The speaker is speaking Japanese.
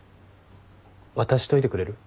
渡しといてくれる？